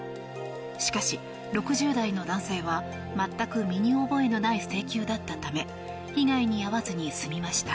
しかし、６０代の男性は全く身に覚えのない請求だったため被害に遭わずに済みました。